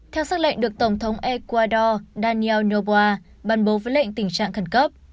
theo xác lệnh được tổng thống ecuador daniel noboa bàn bố với lệnh tình trạng khẩn cấp